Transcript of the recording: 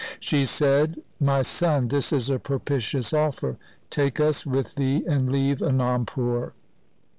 She said, ' My son, this is a propitious offer. Take us with thee and leave Anandpur.